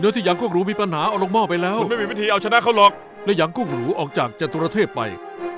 เนื้อที่ยังกุ้งรูมีปัญหาออกลงหม้อไปแล้วและยังกุ้งรูออกจากจันทุรเทพไป